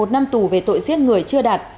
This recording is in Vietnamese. một mươi một năm tù về tội giết người chưa đạt